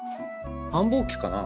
繁忙期かな？